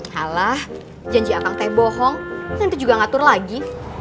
kalah janji akang teh bohong nanti juga ngatur lagi